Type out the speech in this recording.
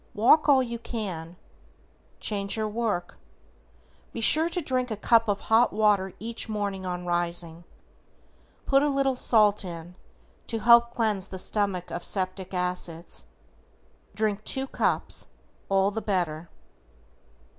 Walk all you can. Change your work. BE SURE TO DRINK A CUP OF HOT WATER EACH MORNING on rising. Put a little salt in to help cleanse the stomach of septic acids. Drink two cups, all the better.